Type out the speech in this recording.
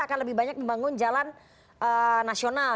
akan lebih banyak membangun jalan nasional